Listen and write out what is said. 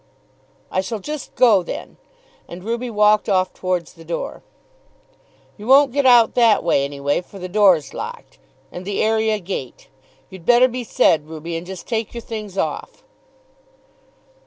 "I shall just go then." And Ruby walked off towards the door. "You won't get out that way, any way, for the door's locked; and the area gate. You'd better be said, Ruby, and just take your things off."